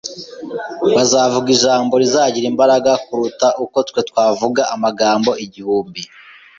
bazavuga ijambo rizagira imbaraga kuruta uko twe twavuga amagambo igihumbi.